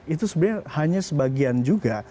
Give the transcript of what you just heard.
itu sebenarnya hanya sebagian juga